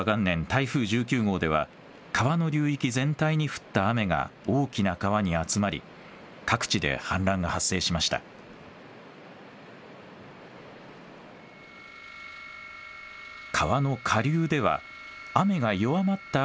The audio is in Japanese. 台風１９号では川の流域全体に降った雨が大きな川に集まり各地で氾濫が発生しました。